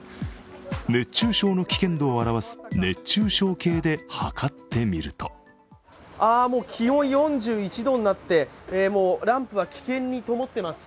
熱中症の危険を表す熱中症計ではかってみるともう気温４１度になって、ランプは危険にともっています。